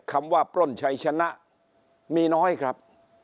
คำว่าปล้นชัยชนะมีน้อยครับ